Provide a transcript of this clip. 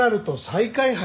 再開発？